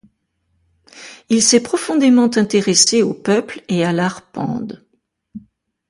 Il s'est profondément intéressé au peuple et à l'art pende.